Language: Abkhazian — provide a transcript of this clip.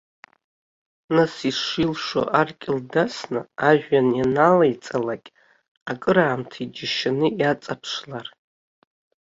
Нас ишилшо аркьыл дасны ажәҩан ианалеиҵалак, акраамҭа иџьашьаны иаҵаԥшлар.